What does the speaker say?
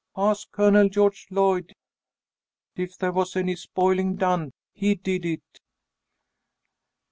"Ask Colonel George Lloyd. If there was any spoiling done, he did it."